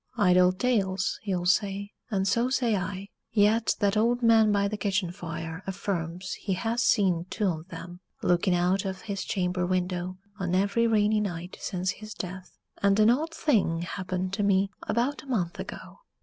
Idle tales, you'll say, and so say I. Yet that old man by the kitchen fire affirms he has seen "two on 'em" looking out of his chamber window on every rainy night since his death and an odd thing happened to me about a month ago.